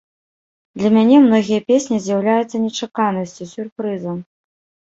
Для мяне многія песні з'яўляюцца нечаканасцю, сюрпрызам.